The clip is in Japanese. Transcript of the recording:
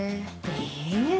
え？